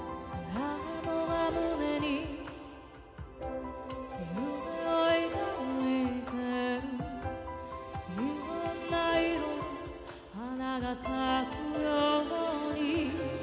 「誰もが胸に夢を抱いてる」「いろんな色の花が咲くように」